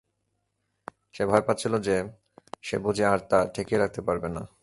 সে ভয় পাচ্ছিল যে, সে বুঝি আর তা ঠেকিয়ে রাখতে পারবে না।